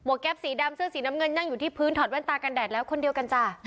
แก๊ปสีดำเสื้อสีน้ำเงินนั่งอยู่ที่พื้นถอดแว่นตากันแดดแล้วคนเดียวกันจ้ะ